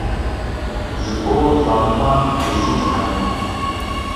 Ji bo zaliman bijî cehennem.